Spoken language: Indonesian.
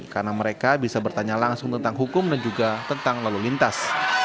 karena mereka bisa bertanya langsung tentang hukum dan juga tentang lalu lintas